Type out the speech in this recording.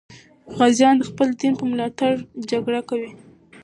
غازیان د خپل دین په ملاتړ جګړه کوي.